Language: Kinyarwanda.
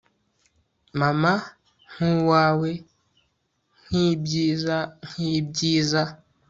mama nkuwawe, nkibyiza, nkibyiza